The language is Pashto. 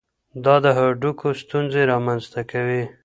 دا د هډوکو ستونزې رامنځته کوي.